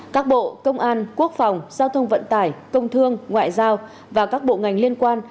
các bộ công an quốc phòng giao thông vận tải công thương ngoại giao và các bộ ngành liên quan